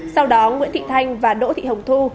sau đó nguyễn thị thanh và đỗ thị hồng thu